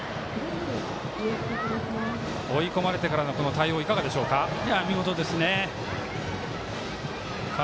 追い込まれてからの対応いかがでしょうか？